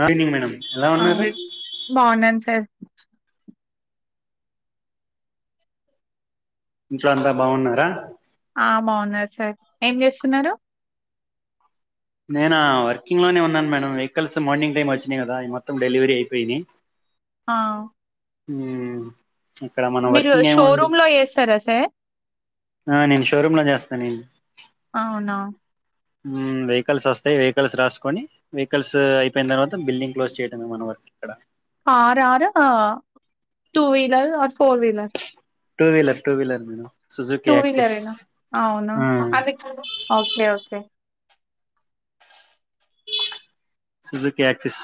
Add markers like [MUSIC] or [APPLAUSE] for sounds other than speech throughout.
ఆ evening madam ఎలా ఉన్నారు అంగడి బావున్నాను సార్. ఇంట్లో అంతా బావున్నారా? ఆ బావున్నారు సార్. ఏం జేస్తున్నారు? నేనా! వర్కింగ్ లోనే ఉన్నాను మేడం వెకల్స్ మార్నింగ్ టైమ్ ఓచ్చినాయి గదా, అయి మొత్తం డెలివరీ అయిపోయినాయి. ఆ. హూ. మీరు షోరూమ్ లో ఎస్తారా సార్? ఆ నేను షోరూమ్ లో జేస్తా నేను. అవునా. ! ఊ వెకల్స్ ఒస్తాయి, వెకల్స్ రాసుకొని, వెకల్స్ అయిపోయిన, తర్వాత బిలింగ్ క్లోజ్ చేయటమే మన వర్క్ ఇక్కడ. కార్ ఆరు ఆ two wheeler are. Four wheeler. Two wheeler two wheeler madam Suzuki two Access వీలరేనా, అవునా. ఆ, అది okay okay. Suzuki Access,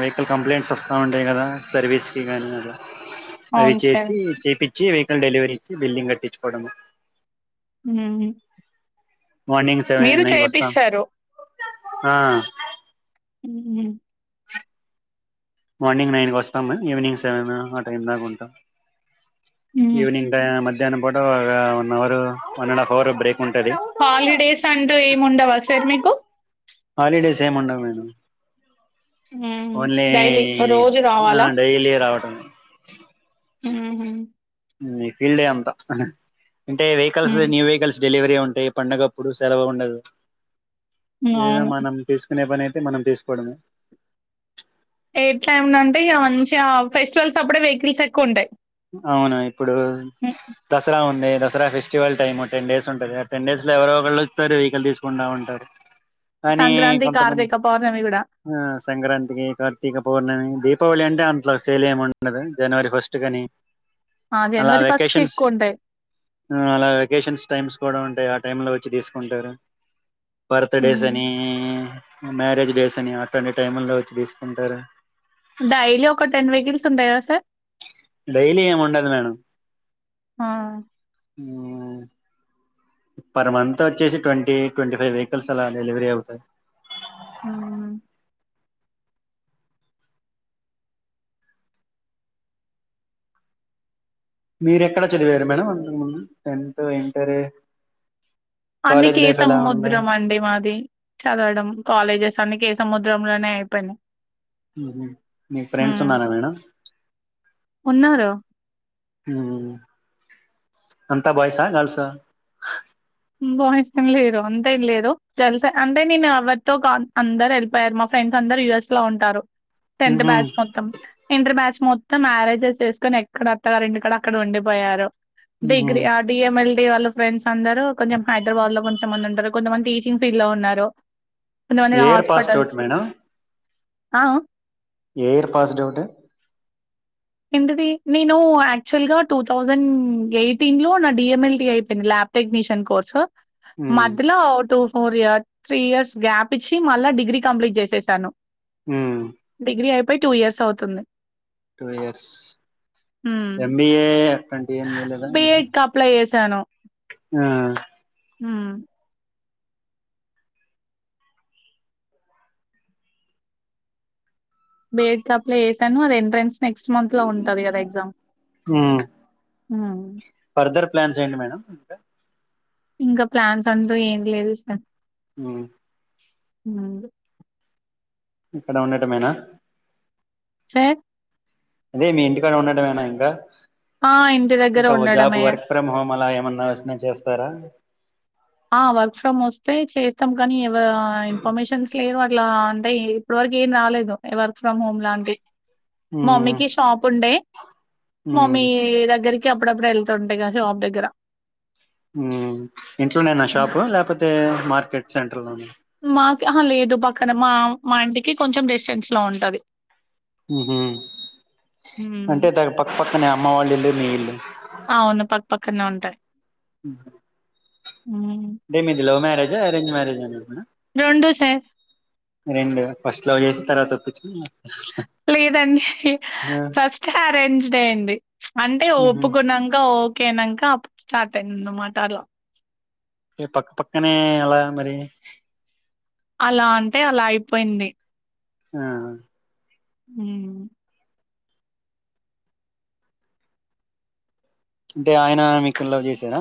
vehicle complaints వస్తా ఉంటాయి గదా! సర్వీస్కి గానీ అదా. అది అవును సార్. చేసి, చెపిచ్చి వె.. డెలివరీ ఇచ్చి బిల్లింగ్ గట్టిచుకోడమె. ఊఊ. మార్నింగ్ మీరు సెవెన్ నైన్ కి వస్తాం చేపిసారు. ఆ.. ఊహు. మార్నింగ్ నైన్గొస్తా మామ్ ఈవినింగ్ సెవెన్ ఆ టైం దాకా ఉంటా. హ్మ్. ఈవినింగ్ టై మద్. ధ్యానం పూట ఓగా one hour, one and half hour break. ఉంటది హాలిడేస్ అంటూ ఏమి ఉండవా సార్ మీకు? హాలిడేస్ ఏముండవు మేడం. ఊహు, ఓన్లీ డైలీ రోజు ఆ రావాలా? డైలీ రావటం ఊహు. ఊ ఈఫీల్డే అంతా‌. అంటే వెకల్స్ హ్మ్. New vehicles. డెలివరీ ఉంటాయి పండగప్పుడు సెలవ ఉండదు. అవును. లేదమ్మ నమ్ తీసు. [UNINTELLIGIBLE] పనైతే మనం తీసుకోడమే. ఏ టైమ్ నంటే ఇగా మంచిగా ఫెస్టివల్స్ అప్పుడే వెకిల్స్ ఎక్కువుంటాయి. అవునయి. ఇప్పుడు దసరా ఉన్. నే Dasara festival time ten days ఉంటది. ఆ టెన్ డేస్ లో ఎవరో ఒకళ్ళు ఓస్తారు వెహికల్ తీసుకుంటా ఉంటారు. కానీ సంక్రాంతి కొంతమంది కార్తీక పౌర్ణమి కూడా ఆ సంక్రాంతికి, కార్తీక పౌర్ణమి దీప్.. పోళి అంటే అంత సేలెముండదు జనవరి ఫస్ట్ గనీ. ఆ అలా జనవరి ఫస్ట్ కి వెకేషన్స్, ఎక్కువ ఉంటాయి ఊ అలా వెకేషన్స్ టైమ్స్ కూడా ఉంటాయి. ఆ. టైమ్ లో వచ్చి తీసుకుంటార బర్త్ డేస్ హ్మ్. అనీ మ్యారేజ్ డేస్ అని అట్టనీ టైమ్ లో వచ్చి తీసుకుంటార డైలీ ఒక టెన్ వెకెట్స్ ఉంటాయి కదా సార్ డైలీ ఏముండదు మేడం ఆ! ఆ పర్ మంత్ వచ్చేసి ట్వంటీ ట్వంటీ ఫైవ్ వెహికల్స్ అలా డెలివరీ అవుతాయ్. ఆహ్ మీరు ఎక్కడ చదివారు మేడం [UNINTELLIGIBLE] టెన్త్ ఇంటర్ అన్ని కాలేజ్ కే లైఫ్ ఎలా ఉంది సముద్రం అండి మాది చదవడం కాలేజెస్ అన్ని కేస్ సముద్రంలోనే అయి పేయినయ్ మ్మె హ్మ్ మీ ఫ్రెండ్స్ ఉన్నార మేడం ఉన్నారు మ్మ్ అంతా బాయ్ సా గర్ల్స్ ఆ బాయ్స్ ఏం లేరు అంతేం లేదు, తెలుసా అంటే నేను ఎవరితో కాం అందరు వెళ్ళిపోయారు, మా ఫ్రెండ్స్ అందరు యుఎస్ లో ఉంటారు. టెన్త్ ఉహు బ్యాచ్ మొత్తం ఇంటర్ బ్యాచ్ మొత్తం మ్యారేజెస్ చేసుకొని ఎక్కడ అత్తగారు ఇంటికాడ అక్కడ ఉండిపోయారు ఉహు డిగ్రీ ఆ డిఎంఎల్ [UNINTELLIGIBLE] వాళ్ళు ఫ్రెండ్స్ అందరు కొంచెం హైద్రాబాద్ లో కొంచంమంది ఉంటారు కొంతమంది టీచింగ్ ఫీల్డ్ లో ఉన్నారు కొంతమంది ఏ year passed hospitals out madam ఆ అ ఏ ఇయర్ పాస్డ్ అవుట్ ఎంతది నేను యాక్చువల్ గా టూ థౌజండ్ ఎయిటీన్ లో నా డిఎంఎల్టీ అయిపోయింది, ల్యాబ్ టెక్నీషియన్ కోర్సు. ఉమ్ మధ్యలో two four year three years gap ఇచ్చి మళ్ళా డిగ్రీ కంప్లీట్ చేసేసాను ఉమ్ డిగ్రీ అయిప్ పొయ్ టూ ఇయర్స్ అవుతుంది టూ ఇయర్స్ హ్మ్ ఎంబిఏ అట్టాంటివేం జేలేదా మీర్ తను ఆ హ్మ్ బేడ్ ఆప్లే వేసాను అది ఎంట్రెన్స్ హ్మ్ హ్మ్ ఫర్దర్ ప్లాన్స్ ఏంటి మేడం ఇంకా. ఇంకా ప్లాన్స్ అంటూ ఏం లేదు సార్ మ్ఆ నందు ఇక్కడ ఉండటమేనా చార్ అదే మీ ఇంటి కాడ ఉండటమేనా ఇంకా ఆ ఇంటి దగ్గర ఉండటమే ఇగ మన్నా వచ్చిన చేస్తారా? ఆ వర్క్ ఫ్రమ్ వస్తే చేస్తాం, కనీ ఎవ్ వరా ఇన్ఫర్మేషన్స్ లేరు అట్ ట్లా అంటే ఏం ఇప్పుడు వరకు ఏం రాలేదు, వర్క్ ఫ్రమ్ హోమ్ లాంటియి. మా ఉమ్ మమ్మీకి షాప్ ఉండే, ఉమ్ మమ్మీ దగ్గరికి కి అప్పుడప్పుడు ఎళ్తుంట ఇగ షాప్ దగ్గర. ఉమ్, ఇంట్లోనేనా హ్మ్. షాపు లేకపోతే? మార్కెట్ సెంటర్ లోన? మాకి అహ లేదు పక్కన, మా మా ఇంటికి కొంచెం డిస్టెన్స్ లో ఉంటది. ఉమ్ హు, హ్మ్. అంటే ద పక్క పక్క కనే అమ్మ వాళ్ళ ఇల్లు, మీ ఇల్లు. అవును పక్ పక్కనే ఉంటాయి. ఉమ్ హు హ్మ్. టే మీది love marriage, arrange marriage? [UNINTELLIGIBLE] Sir. రెండు ఫస్ట్ లవ్ చేసి తర్వాత ఒప్పిచ్చిన్రా? లేదండి ఫస్టే అరేంజ్డ్ అయ్యింది, అంటే ఉహు ఒప్పుకున్నాంక ఓక్ కే అన్నంక అప్పుడు స్టార్ట్ అయిందన్నమాట అట్ల ఇగ పక్కపక్కనే ఎలా మరి? అలా అంటే అలా అయిపోయింది. ఆహ హ్మ్ అంటే ఆయన మీకు లవ్ చేసాడా?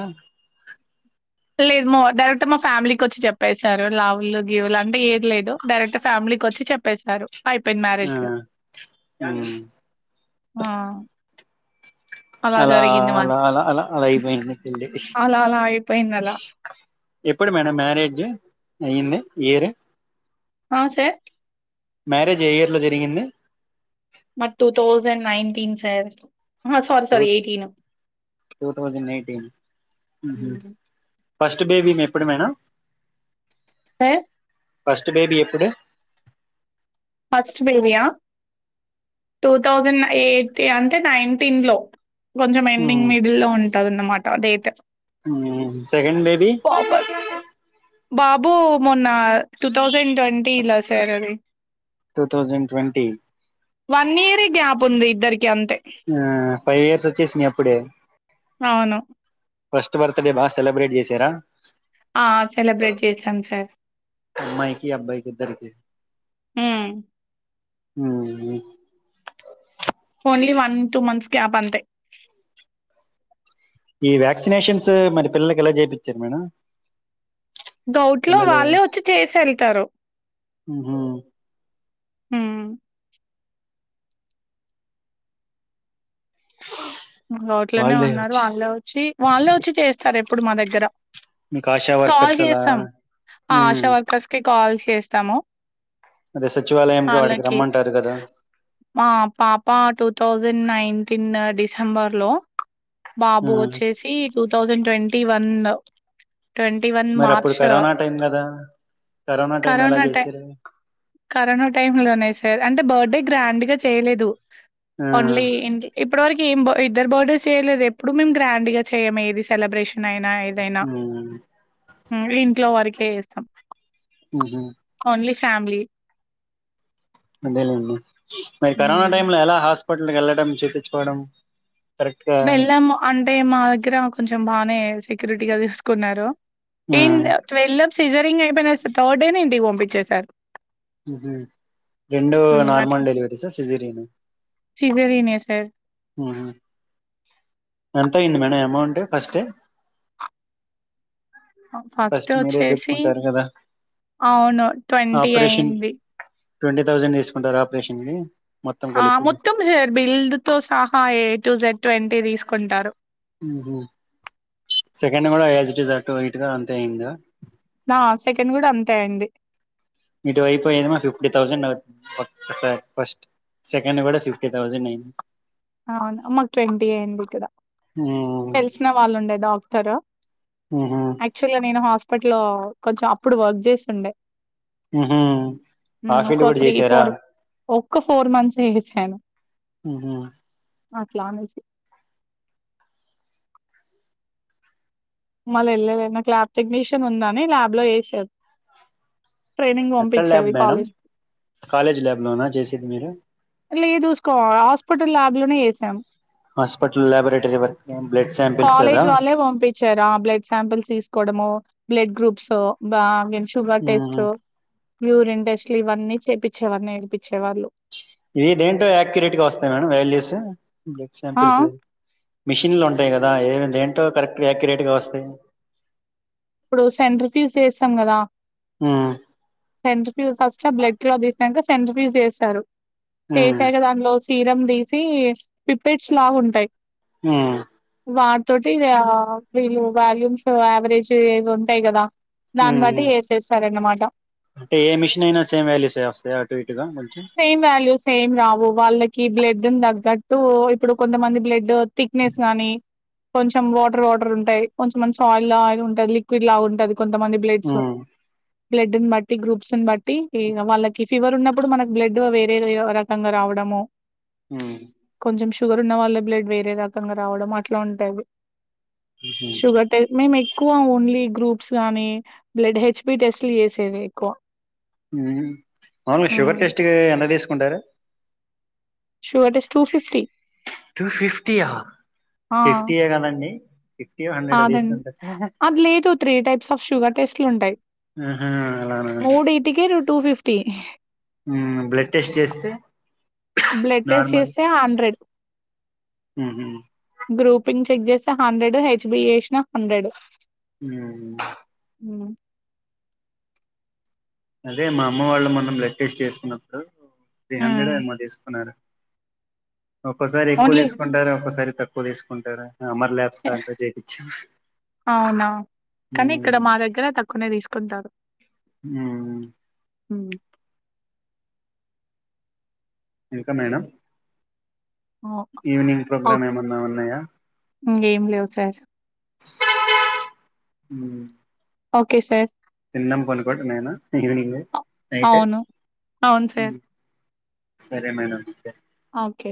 లేదు మా డైరెక్ట్ మా ఫ్యామిలీకి వచ్చి చెప్పేసారు, లవులు గీవులు అంటు ఏది లేదు. డైరెక్ట్ ఫ్యామిలీకొచ్చి చెప్పేశారు. ఐపోయింది ఆ మ్యారేజిగా, ఆ ఆ అలా మాది. అలా అలా అలా అలా అయిపోయింది మీ పెళ్ళి. అలా అలా అయిపోయిందలా. ఎప్పుడు మేడం మ్యారేజ్? అయింది ఇయర్? ఆ సర్? మ్యారేజ్ ఏ ఇయర్ లో జరిగింది? మాది టూ తౌసండ్ నైన్టీన్ సార్. అహా! Sorry sorry tooth two thousand nineteen, ఉమ్ హ్ హ్మ్. ఫస్ట్ బేబీ మి ఎప్పుడు మేడం? ఆ ఫస్ట్ బేబీ ఎప్పుడు? ఫస్ట్ బేబియా టూ థౌజండ్ ఎయిటీ అంటే నైన్టీన్ లో కొంచెం ఎండింగ్ మిడిల్ లో ఉం అదన్న మాట డేట్ ఉమ్ సెకండ్ బేబీ పాప బాబు మొన్న టూ థౌజండ్ ట్వంటీలా సార్ అది two thousand twenty one year gap ఉంది ఇద్దరికి ఎంతే ఆ ఫైవ్ ఇయర్స్ వచ్చేసినాయ్ అప్పుడే అవును ఫస్ట్ బర్త్డే బా సెలబ్రేట్ చేసారా ఆ సెలబ్రేట్ చేశాం సార్ అమ్మాయికి అబ్బాయికిద్దరి కి ఉమ్. ఉమ్ only one two months gap అంతే ఈ వ్యాక్సినేషన్స్ మరి పిల్లలకి ఎలా చేపిం చారు మేడం డౌట్ లో పిల్లల వాళ్ళే వచ్చి చేసి వెళ్తారు హ్మ్ బోట్లోనే వాళ్ళే ఉన్నారు వచ్చి వాళ్ళే వచ్చి వాళ్ళే వచ్చి చేస్తారు ఎప్పుడు ఇప్పుడు మా దగ్గర మీకు ఆశా కాల్ వర్కర్స్ అలా చేస్తాం ఆ ఉమ్ ఆశా వర్కర్స్ కి కాల్ చేస్తాము అదే సచివాలయంకి ఆడికి వాళ్ళకి రమ్మంటారు కదా మా పాప టూ థౌజండ్ నైన్టీన్ డిసెంబర్ లో బాబు వచ్చేసి టూథౌసండ్ ట్వంటీ వన్ లో ట్వంటీ వన్ మరి అప్పుడు మార్చ్ కరోనా టైం కదా టైం ఎలా కరోనా టై చేసారు కరోనా టైమ్ లోనే సార్ అంటే బర్త్డే గ్రాండ్ గా చేయలేదు ఓన్లీ ఇ ఇప్పడివరకి ఏం ఇద్దరి బర్త్డేస్ చేయలేదు ఎప్పుడు మేము గ్రాండ్ గా చేయము ఏది సెలబ్రేషన్ యినా ఏదైనా ఇంట్లో వారికి కే చేస్తాం మ్మహు ఓన్లీ ఫ్యామిలీ అదేలేండి మరి కరోనా హ్మ్. టైమ్ లో ఎలా హాస్పి స్పిటల్కి వెళ్ళడం చేపించుకోవడం వెళ్ళాము అంటే మా దగ్గర కొంచెం బాగానే వేసి సెక్యూరిటీగా తీసుకున్నారు ఏన్ గా సీజరింగ్ అయిన థర్డ్ డే ని ఇంటికి పంపించేసారు రెండు నార్మల్ డెలివరీ సా సిజీరి అ సిజరినే సార్ ఎంత అయింది మేడం అమౌంట్ ఫస్ట్ ఫస్ట్ మీరే వచ్చేసి పెట్టుకుంటారు కదా అవును ట్వంటీ ఆపరేషన్ అయింది ట్వంటీ థౌసండ్ తీసుకుంటార ఆపరేషన్ కి మొత్తం ఆ కలిపి మొత్తం సర్ బిళ్లుతో అహ ఏ టూ జెడ్ ట్వంటీ తీసుకుంటారు సెకండ్ కూడా అసిటిస్ అటు ఇటుగా అంతే ఐనదా నా సెకండ్ కూడా అంతే అయ్యింది మీటు అయిపోయేమో ఫిఫ్టీ థౌజండ్ అవుతుంది ఒకసారి ఫస్ట్ సెకండ్ కూడా ఫిఫ్టీ థౌజండ్ అయింది అవును మాకు ట్వంటీ అయింది ఇక్కడ ఉమ్ తెలిసిన వాళ్ళు ఉండే డాక్ తర ఉహు యాక్చూవల్ గా నేను హస్ అప్పట్లో కొంచెం అప్పుడు వర్క్ చేసిండే ఉహు ఆ ఒక ఫీల్డ్ కూడా త్రీ చేసారా ఫోర్ ఒక్క ఫోర్ మంత్స్ వెసాను ఉహు ప్లాన్ ఏసీ మళ్ళ వెళ్ళల్లె నాకు ల్యాబ్ టెక్నీషియన్ ఉందని ల్యాబ్ లో వేసేది ట్రైనింగ్ ఎక్కడ ల్యాబ్ పంపించేది మేడం కాలేజ్ కాలేజ్ ల్యాబ్ లోనా చేసేది మీరు లేదు హాస్పిటల్ ల్యాబ్ లోనే వేసాం హాస్పిటల్ ల్యాబోరేటరీ వరకు బ్లడ్ సాంపిల్స్ అవా కాలేజ్ వాళ్ళే పంపించారు ఆ బ్లడ్ సాంపిల్స్ తీసుకోవడము బ్లడ్ గ్రూప్స్ ఆ షుగర్ టెస్ట్ మ్మ్ యూరిన్ టెస్ట్ ఇట్ల ఇవన్నీ చేపిచ్చేవాళ్లు నేర్పించేవాళ్ళు ఇవి దేంట్లో యాక్యూరేట్ గా వస్తాయి మేడం వాల్యూస్ బ్లడ్ ఆ సాంపిల్స్ మిషన్లు ఉంటాయి కదా ఏమి దేంటో కరెక్ట్గా యాక్యురేట్ గా వస్తాయి ఇప్పుడు సెంట్రిఫ్యూస్ ఏసాం కదా మ్మ్ సెంట్రి ఫస్ట్ బ్లడ్ క్లాత్ చేసాక సెంట్రిఫ్యూజ్ చేస్తారు మ్మ్ చేశాక దాంట్లో సీరం తీసి పిప్పెడ్స్ లాగుంటాయి ఆ వాటితోటి ఆ వీళ్ళు వాల్యూమ్స్ యావరేజ్ టి ఇదుంటాయి కదా దాని మ్మ్ బట్టి ఏసేసారన్న మా [INAUDIBLE] అంటే ఏ మిషన్ అయినా సేమ్ వాల్యూసే వస్తాయా అటు ఇటుగా కొంచిం సేమ్ వాల్యూస్ ఏం రావు వాళ్ళకి బ్లడ్డున్ తగ్గట్టు ఇప్పుడు కొంతమంది బ్లడ్ థిక్నెస్ గానీ కొంచెం వాటర్ వాటర్ ఉంటాయి కొంచెమంది ఆయిల్ ఆయిల్ ఉంట టది లిక్విడ్ లా ఉంటాది కొంతమంది బ్లడ్స్ మ్మ్ బ్లడ్డిని బట్టి గ్రూప్స్ ని బట్టి వాళ్ళకి ఫీవర్ ఉన్నప్పుడు మనకి బ్లడ్ వేరే రకంగా రావడము మ్మ్ కొంచెం షుగర్ ఉన్న వాళ్ళ బ్లడ్ వేరే రకంగా రావడం అట్లా ఉంటది షుగర్ టె మేమే క్కువ ఓన్లీ గ్రూప్స్ గానీ బ్లడ్ హెచ్ బి టెస్ట్లు చేసేది ఎక్కువ మ్ అవును హ్మ్ షుగర్ టెస్ట్ కి ఎంత తీస్ కుంటారు sugar test two fifty two fifty ఆ ఫిఫ్టీ ఏ గదండి అదన్ అది లేదు త్రీ టైప్స్ ఆఫ్ షుగర్ టెస్ట్లుంటాయి ఆహా అలానా మూడీటికి టూ ఫిఫ్టీ ఉమ్మ్ బ్లడ్ టెస్ట్ చేస్తే బ్లడ్ టెస్ట్ నార్మల్ చేస్తే హండ్రెడ్ ఊహూ గ్రూపింగ్ చెక్ చేస్తే హండ్రెడ్ హెచ్ బి చేసినా హండ్రెడ్ ఉమ్ ఉమ్మ్ అదే మా అమ్మ వాళ్ళు మొన్న బ్లడ్ టెస్ట్ చేసుకున్నప్పుడు త్రీ హండెడో హ్మ్. ఏమో తీసుకున్నారు ఒక్కోసారి ఎక్కువ ఓన్లీ తీసుకుంటారు ఒక్కోసారి తక్కువ తీసుకుంటారా అవునా కానీ ఉమ్ ఇక్కడ మా దగ్గర తక్కువనే తీసుకుంటారు హ్మ్ హ్మ్మ్ ఇంక మేడం ఓ ఈవినింగ్ ఓ ప్రోగ్రామ్ ఏమన్నా ఉన్నాయా ఇంగేం లేవు సార్ మ్మ్ ఓకే సార్ తిన్నం పనుకోటమేన ఈవినింగ్ నైట్ అవును అవును సార్ సరే మేడం అయితే ఓకే